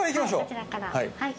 こちらから。